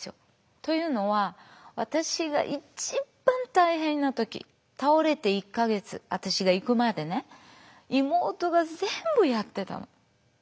というのは私が一番大変な時倒れて１か月私が行くまでね全部。